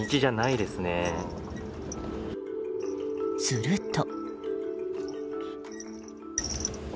すると。